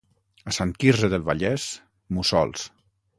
A Sant Quirze del Vallès, mussols.